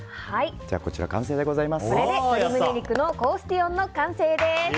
鶏胸肉のコースティオンの完成です。